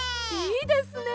いいですね。